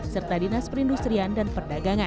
serta dinas perindustrian dan perdagangan